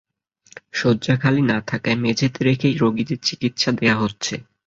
শয্যা খালি না থাকায় মেঝেতে রেখেই রোগীদের চিকিৎসা দেওয়া হচ্ছে।